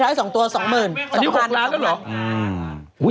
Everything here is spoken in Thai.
อันนี้๖ล้านบาทแล้วเหรอ